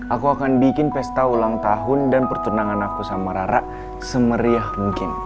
aku akan bikin pesta ulang tahun dan pertunangan aku sama rara semeriah mungkin